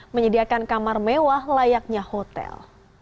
menyediakan kamar mewah layaknya hotel